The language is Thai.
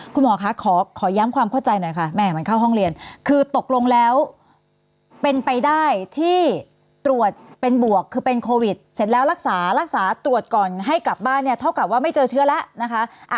คุณหมอคะขอย้ำความเข้าใจหน่อยค่ะแม่มันเข้าห้องเรียนคือตกลงแล้วเป็นไปได้ที่ตรวจเป็นบวกคือเป็นโควิดเสร็จแล้วรักษารักษาตรวจก่อนให้กลับบ้านเนี่ยเท่ากับว่าไม่เจอเชื้อแล้วนะคะ